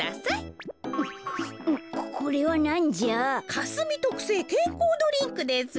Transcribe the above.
かすみとくせいけんこうドリンクですよ。